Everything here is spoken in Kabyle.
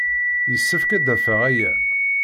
Yessefk ad d-afeɣ aya.